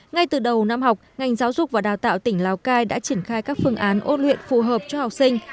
ngay từ đầu năm học ngành giáo dục và đào tạo tỉnh lào cai đã triển khai các phương án ôn luyện phù hợp cho học sinh